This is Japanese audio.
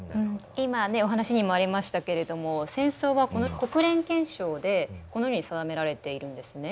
今ねお話にもありましたけれども戦争はこの国連憲章でこのように定められているんですね。